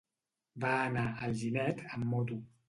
Va anar a Alginet amb moto.